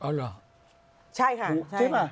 อ๋อเหรอใช่ค่ะใช่ไหม